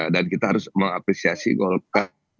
dan kita harus mengapresiasi golkar